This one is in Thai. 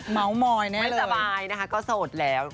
เมาส์มอยแน่ไม่สบายนะคะก็โสดแล้ว